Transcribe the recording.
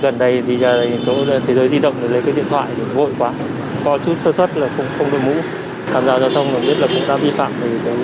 tham gia giao thông biết là cũng đã vi phạm